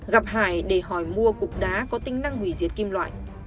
gặp hải để hỏi mua cục đá có tính năng hủy diệt kim loại